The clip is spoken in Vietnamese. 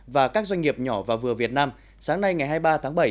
và các doanh nghiệp nhỏ và vừa việt nam sáng nay ngày hai mươi ba tháng bảy